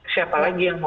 siapa lagi yang mau